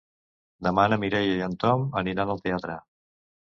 Demà na Mireia i en Tom aniran al teatre.